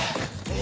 え？